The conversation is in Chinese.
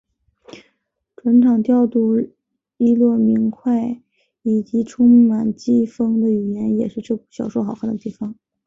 转场调度俐落明快以及充满机锋的语言也是这部小说好看的地方。